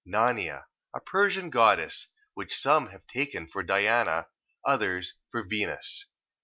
Nanea... A Persian goddess, which some have taken for Diana, others for Venus.